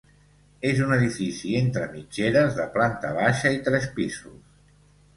És un edifici entre mitgeres, de planta baixa i tres pisos.